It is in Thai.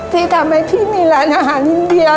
ที่ทำให้พี่มีร้านอาหารอินเดีย